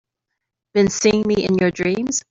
Been seeing me in your dreams?